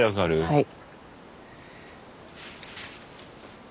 はい。